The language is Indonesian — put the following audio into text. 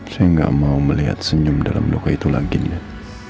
saya nggak mau melihat senyum dalam luka itu lagi niat